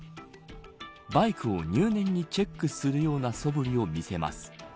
バイクを入念にチェックするようなそぶりを見せます。